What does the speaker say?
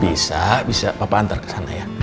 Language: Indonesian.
bisa bisa papa antar kesana ya